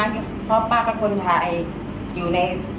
รถก็จะเอาของไว้ส่ง